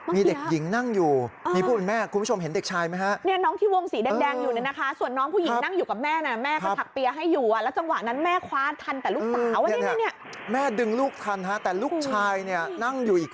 มีเด็กหญิงนั่งอยู่